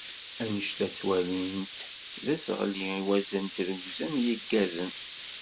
Anect-a ttwalin-t d aseɣli i wazal n tirrugza n yigazen.